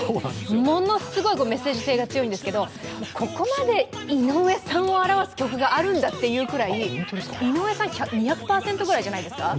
ものすごくメッセージ性が強いんですけどここまで井上さんを表す曲があるんだっていうぐらい、井上さん２００％くらいじゃないですか？